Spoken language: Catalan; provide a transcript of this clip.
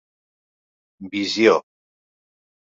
Visió.